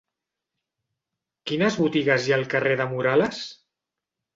Quines botigues hi ha al carrer de Morales?